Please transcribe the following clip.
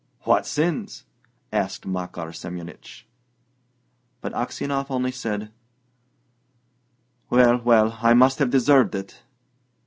"What sins?" asked Makar Semyonich. But Aksionov only said, "Well, well I must have deserved it!"